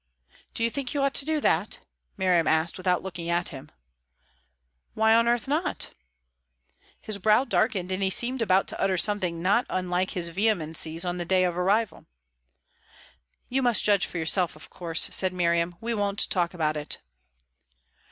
"Do you think you ought to do that?" Miriam asked, without looking at him. "Why on earth not?" His brow darkened, and he seemed about to utter something not unlike his vehemencies on the day of arrival. "You must judge for yourself, of course," said Miriam. "We won't talk about it."